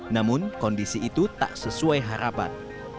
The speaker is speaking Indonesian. namun kondisi itu tak sesuai harapan